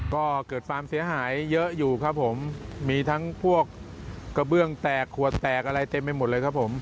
ก็เกิดความเสียหายเยอะอยู่ครับผมมีทั้งพวกกระเบื้องแตกขวดแตกอะไรเต็มไปหมดเลยครับผม